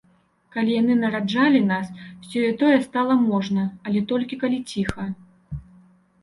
Калі яны нараджалі нас, сеё-тое стала можна, але толькі калі ціха.